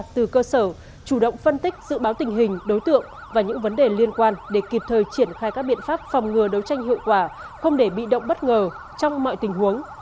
từ cơ sở chủ động phân tích dự báo tình hình đối tượng và những vấn đề liên quan để kịp thời triển khai các biện pháp phòng ngừa đấu tranh hiệu quả không để bị động bất ngờ trong mọi tình huống